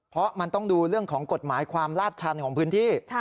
เพราะมันต้องดูเรื่องของกฎหมายความลาดชันของพื้นที่